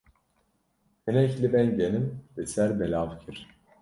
Hinek libên genim li ser belav kir.